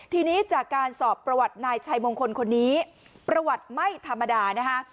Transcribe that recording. ทีนี้จากการสอบประวัตินายชัยมงคลคนนี้ประวัติไม่ธรรมดานะคะ